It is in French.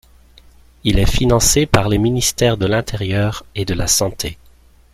Il est financé par les ministères de l’Intérieur et de la Santé.